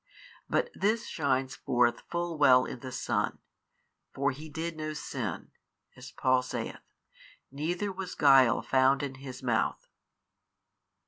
But this shines forth full well in the Son, for He did no sin, as Paul saith, neither was guile found in His Mouth.